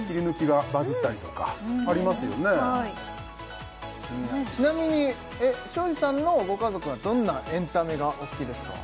はいちなみに庄司さんのご家族はどんなエンタメがお好きですか？